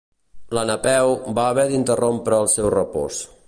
La Napeu va haver d'interrompre el seu repòs.